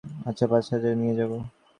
আচ্ছা, পাঁচ হাজারই নিয়ে যাব।